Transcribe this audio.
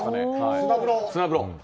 砂風呂。